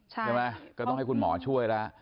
ใช่ไหมก็ต้องให้คุณหมอช่วยแล้ว